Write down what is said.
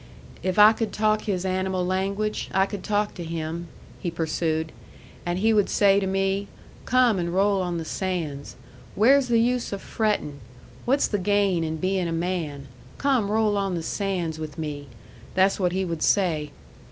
"If I could talk his animal language, I could talk to him," he pursued. "And he would say to me: 'Come and roll on the sands. Where's the use of fretting? What's the gain in being a man? Come roll on the sands with me.' That's what he would say."